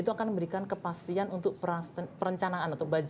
itu akan memberikan kepastian untuk perencanaan atau budget